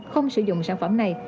không sử dụng sản phẩm này